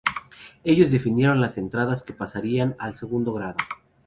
Ellos definieron las entradas que pasarían al segundo grado.